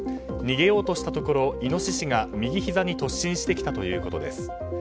逃げようとしたところイノシシが右ひざに突進してきたということです。